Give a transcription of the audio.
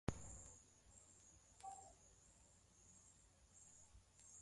wote wanakubali na kufurahia msimamo wa aina hiyo Wengine